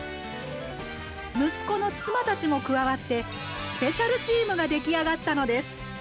息子の妻たちも加わってスペシャルチームが出来上がったのです！